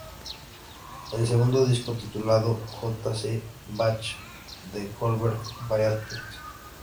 El segundo disco, titulado "J. S. Bach: The Goldberg Variations.